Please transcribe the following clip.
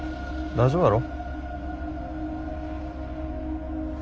大丈夫やろ。